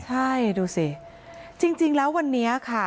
ใช่ดูสิจริงแล้ววันนี้ค่ะ